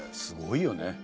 「すごいよね」